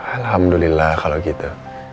alhamdulillah kalau gitu